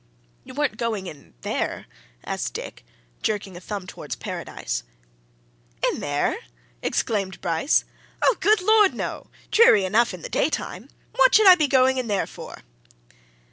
"You weren't going in there?" asked Dick, jerking a thumb towards Paradise. "In there!" exclaimed Bryce. "Good Lord, no! dreary enough in the daytime! What should I be going in there for?"